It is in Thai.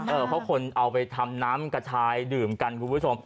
เพราะคนเอาไปทำน้ำกระชายดื่มกันคุณผู้ชม